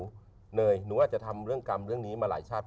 เนยหนูอาจจะทำเรื่องกรรมเรื่องนี้มาหลายชาติ